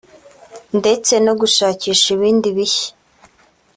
ndetse no gushakisha ibindi bishya